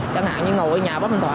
chẳng hạn như ngồi ở nhà bắt điện thoại